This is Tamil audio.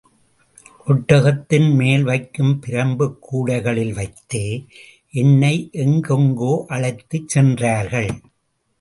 ஒட்டகத்தின் மேல் வைக்கும் பிரம்புக் கூடைகளில் வைத்து என்னை எங்கெங்கோ அழைத்துச் சென்றார்கள்.